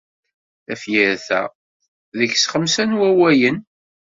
Tafyirt-a deg-s xemsa n wawalen.